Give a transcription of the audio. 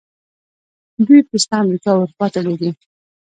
دوی پسته امریکا او اروپا ته لیږي.